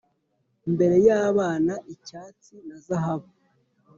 mbere y'abana icyatsi na zahabu